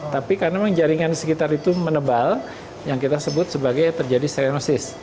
tapi karena jaringan sekitar itu menebal yang kita sebut sebagai terjadi strenosis